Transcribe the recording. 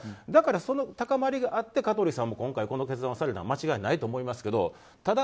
だから、その高まりがあって今回、香取さんもこの決断をされたのは間違いないと思いますけど。